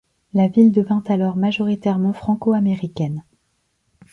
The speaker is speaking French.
La ville devint alors majoritairement franco-américaine.